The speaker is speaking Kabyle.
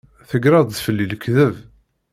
Tegreḍ-d fell-i lekdeb?